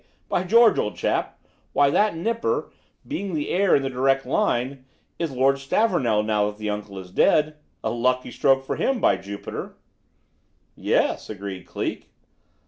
By George, old chap! Why, that nipper, being the heir in the direct line, is Lord Stavornell now that the uncle is dead! A lucky stroke for him, by Jupiter!" "Yes," agreed Cleek.